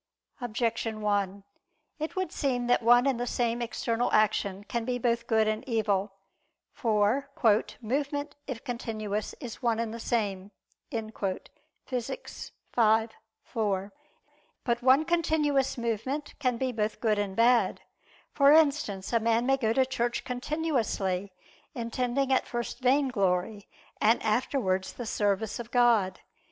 Objection 1: It would seem that one and the same external action can be both good and evil. For "movement, if continuous, is one and the same" (Phys. v, 4). But one continuous movement can be both good and bad: for instance, a man may go to church continuously, intending at first vainglory, and afterwards the service of God.